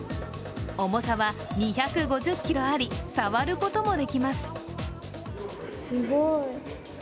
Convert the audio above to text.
重さは２５０ｋｇあり、触ることもできます。